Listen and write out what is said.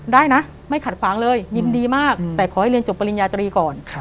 ได้นะไม่ขัดขวางเลยยินดีมากแต่ขอให้เรียนจบปริญญาตรีก่อน